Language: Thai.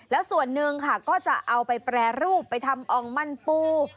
แล้วส่วนหนึ่งค่ะก็จะเอาไปแปรรูปไปทำอ่องมันปู